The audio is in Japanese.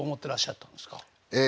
ええ。